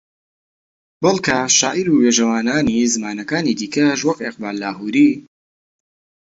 بەڵکە شاعیر و وێژەوانانی زمانەکانی دیکەش وەک ئیقباڵ لاھووری